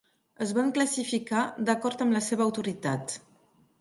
Es van classificar d'acord amb la seva autoritat.